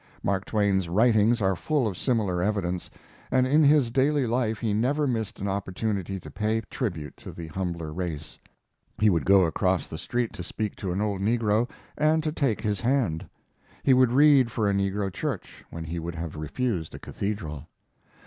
Mark Twain's writings are full of similar evidence, and in his daily life he never missed an opportunity to pay tribute to the humbler race. He would go across the street to speak to an old negro, and to take his hand. He would read for a negro church when he would have refused a cathedral.